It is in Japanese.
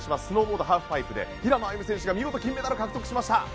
スノーボード・ハーフパイプで平野歩夢選手が見事金メダルを獲得しました。